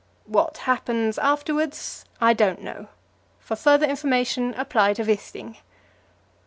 What happens afterwards, I don't know; for further information apply to Wisting.